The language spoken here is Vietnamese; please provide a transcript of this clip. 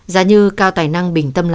giá như cao tài năng bình tâm lại